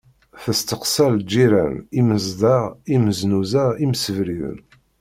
Testeqsa lǧiran, imezdaɣ, imznuza, imsebriden.